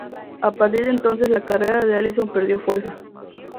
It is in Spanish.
A partir de entonces la carrera de Allison perdió fuerza.